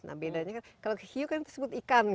nah bedanya kan kalau hiu kan tersebut ikan